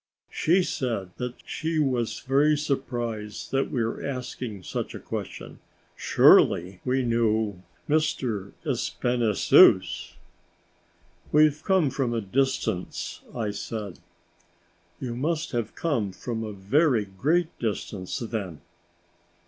She said that she was very surprised that we asked such a question; surely, we knew Monsieur Espinassous! "We've come from a distance," I said. "You must have come from a very great distance, then?"